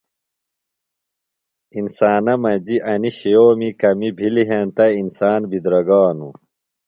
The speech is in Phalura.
انسانہ مجیۡ اینیۡ شِئومی کمیۡ بِھلیۡ ہینتہ انسان بِدرگانوۡ۔